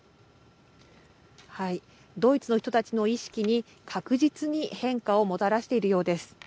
ドイツの人たちの意識に確実に変化をもたらしているようです。